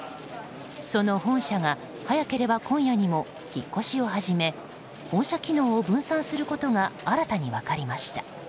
その本社が早ければ今夜にも引っ越しを始め本社機能を分散することが新たに分かりました。